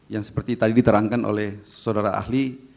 yang seperti tadi diterangkan oleh saudara ahli